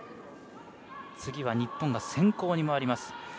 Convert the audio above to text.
次は日本が先攻に回ります。